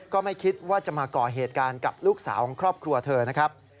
ก็ไม่คิดว่าจะมาก่อเหตุการณ์กับลูกสาวของครอบครัวเธอนะครับ